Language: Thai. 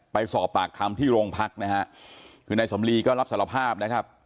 ไปสอบปากคำที่โรงพักนะฮะคือนายสำลีก็รับสารภาพนะครับ